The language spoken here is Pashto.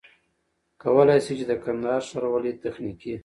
کولای سي چي د کندهار ښاروالۍ تخنيکي